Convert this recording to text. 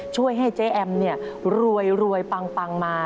ช่วยให้เจ๊แอมรวยปังมา